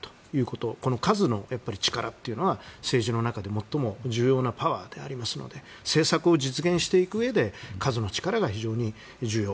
この数の力というのは政治の中で最も重要なパワーでありますので政策を実現していくうえで数の力が非常に重要。